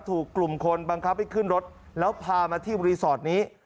ถูกกลุ่มคนบังคับให้ขึ้นรถแล้วพามาที่รีสอร์ทนี้